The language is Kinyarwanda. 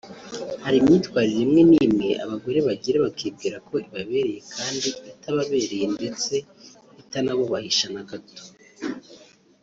Hari imyitwarire imwe n’imwe abagore bagira bakibwira ko ibabereye kandi itababereye ndetse itanabubahisha na gato